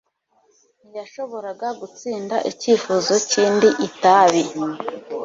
Ntiyashoboraga gutsinda icyifuzo cy'indi itabi.